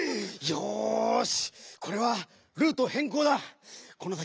よし！